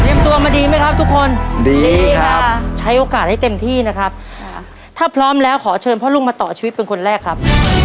ตัวมาดีไหมครับทุกคนดีดีค่ะใช้โอกาสให้เต็มที่นะครับถ้าพร้อมแล้วขอเชิญพ่อลุงมาต่อชีวิตเป็นคนแรกครับ